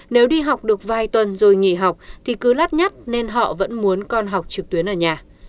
nếu đi học được vài tuần rồi nghỉ học thì cứ lắt nhắt nên họ vẫn muốn con học trực tuyến ở nhà